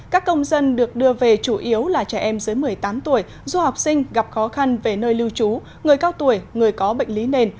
các công dân được đưa về chủ yếu là trẻ em dưới một mươi tám tuổi du học sinh gặp khó khăn về nơi lưu trú người cao tuổi người có bệnh lý nền